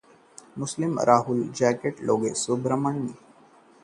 राहुल की जैकेट को लेकर बोले सुब्रमण्यम स्वामी- नेशनल हेराल्ड का है पैसा